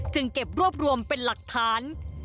เก็บรวบรวมเป็นหลักฐาน